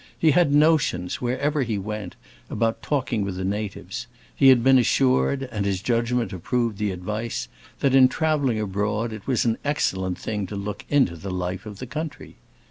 He had notions, wherever he went, about talking with the natives; he had been assured, and his judgment approved the advice, that in traveling abroad it was an excellent thing to look into the life of the country.